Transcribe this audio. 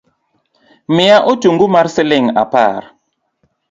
Miya otungu mar siling’ apar